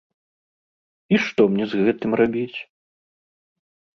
І што мне з гэтым рабіць?